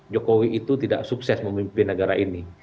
jokowi itu tidak sukses memimpin negara ini